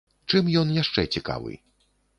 Чым ён яшчэ цікавы?